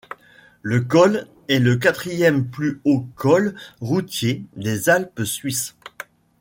Le col est le quatrième plus haut col routier des Alpes suisses.